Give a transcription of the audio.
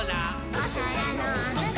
「おそらのむこう！？